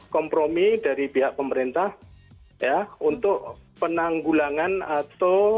kompromi dari pihak pemerintah untuk penanggulangan atau